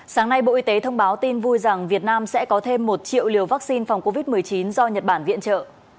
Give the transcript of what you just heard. sáng nay bộ y tế thông báo tin vui rằng việt nam sẽ có thêm một triệu liều vaccine phòng covid một mươi chín do nhật bản viện trợ